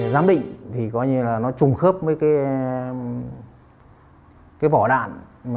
giám định thì coi như là nó trùng khớp với cái vỏ đạn